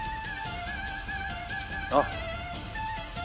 あっ。